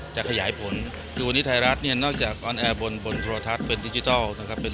จะขยายผลคือวันนี้ไทยรัฐเนี่ยนอกจากออนแอร์บนโทรทัศน์เป็นดิจิทัลนะครับ